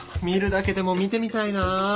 見るだけでも見てみたいなぁ。